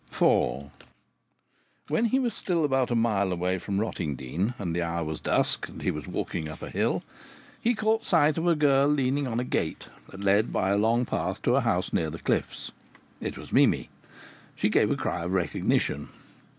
IV When he was still about a mile away from Rottingdean, and the hour was dusk, and he was walking up a hill, he caught sight of a girl leaning on a gate that led by a long path to a house near the cliffs. It was Mimi. She gave a cry of recognition.